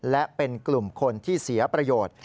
และเป็นกลุ่มคนที่เสียประโยชน์